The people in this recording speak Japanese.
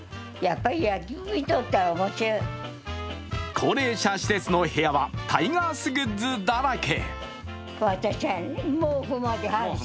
高齢者施設の部屋はタイガースグッズだらけ。